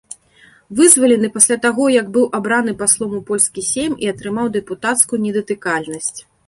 Вызвалены пасля таго, як быў абраны паслом у польскі сейм і атрымаў дэпутацкую недатыкальнасць.